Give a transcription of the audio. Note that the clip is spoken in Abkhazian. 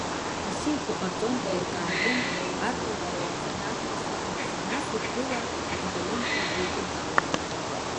Асиақәа ҟарҵон, еилкаатәын арратә занааҭқәас ирымаз, нас урҭ рыла абаталионқәа еиҿыркаауан.